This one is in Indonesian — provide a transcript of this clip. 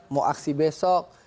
mau aksi besok